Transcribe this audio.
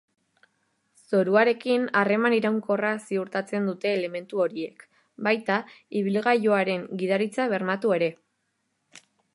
Zoruarekin harreman iraunkorra ziurtatzen dute elementu horiek, baita ibilgailuaren gidaritza bermatu ere.